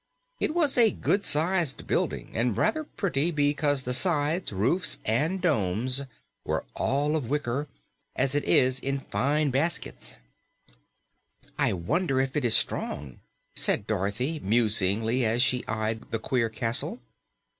It was a good sized building and rather pretty because the sides, roofs and domes were all of wicker, closely woven as it is in fine baskets. "I wonder if it is strong?" said Dorothy musingly as she eyed the queer castle.